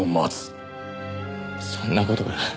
そんな事が。